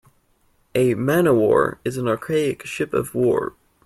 A Man o’ War is an archaic ship of war.